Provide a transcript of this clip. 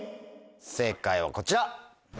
正解はこちら。